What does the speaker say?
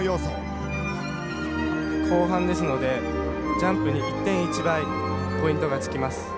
後半ですのでジャンプに１．１倍ポイントがつきます。